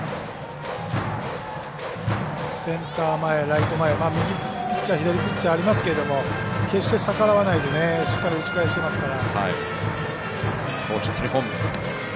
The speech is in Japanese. センター前、ライト前ピッチャーありますけど決して逆らわないでしっかり打ち返してますから。